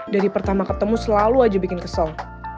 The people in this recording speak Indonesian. dari pertama ketemu selalu aja bikin kesel